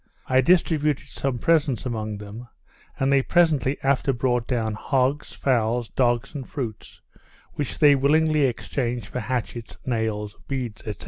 I distributed some presents among them; and they presently after brought down hogs, fowls, dogs, and fruits, which they willingly exchanged for hatchets, nails, beads, &c.